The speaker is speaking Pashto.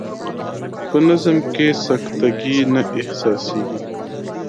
په نظم کې سکته ګي نه احساسیږي.